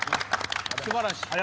素晴らしい。